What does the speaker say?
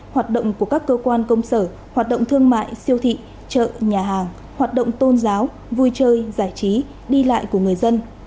hoạt động của các cơ quan công sở hoạt động thương mại siêu thị chợ nhà hàng hoạt động tôn giáo vui chơi giải trí đi lại của người dân